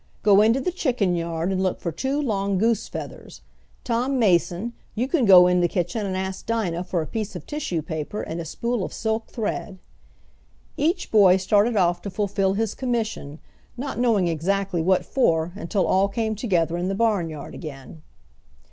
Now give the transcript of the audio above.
"Go into the chicken yard and look for two long goose feathers. Tom Mason, you can go in the kitchen and ask Dinah for a piece of tissue paper and a spool of silk thread." Each boy started off to fulfill his commission, not knowing exactly what for until all came together in the barnyard again.